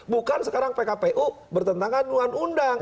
bukan sekarang pkpu bertentangan dengan undang